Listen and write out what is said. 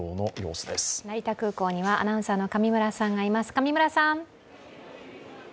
成田空港にはアナウンサーの上村さんがいます。